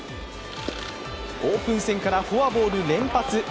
オープン戦からフォアボール連発。